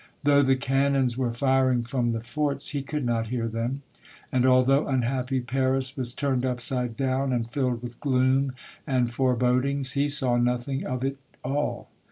Though the cannons were fir ing from the forts, he could not hear them. And although unhappy Paris was turned upside down, and filled with gloom and forebodings, he saw nothing of it all.